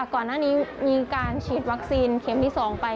ก่อนหน้านี้มีการฉีดวัคซีนเข็มที่๒ไป